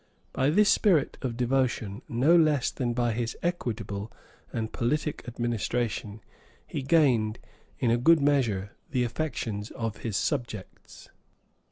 By this spirit of devotion no less than by his equitable and politic administration, he gained, in a good measure, the affections of his subjects.